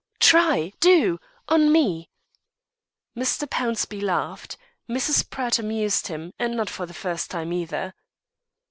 "Try! do! on me!" Mr. Pownceby laughed. Mrs. Pratt amused him; and not for the first time either.